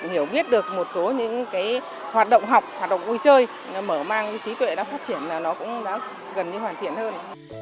hiểu biết được một số những hoạt động học hoạt động vui chơi mở mang trí tuệ đã phát triển là nó cũng đã gần như hoàn thiện hơn